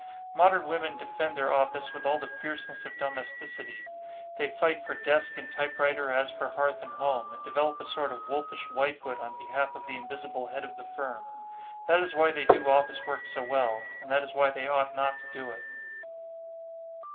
Modern women defend their office with all the fierceness of domesticity. They fight for desk and typewriter as for hearth and home, and develop a sort of wolfish wifehood on behalf of the invisible head of the firm. That is why they do office work so well; and that is why they ought not to do it.